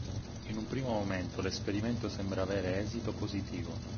In un primo momento l’esperimento sembra avere esito positivo.